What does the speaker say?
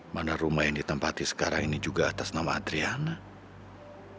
mana rumah yang ditempati sekarang ini juga atas nama adriana